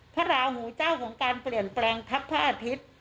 พระราหูเจ้าของการเปลี่ยนแปลงทัพพระอาทิตย์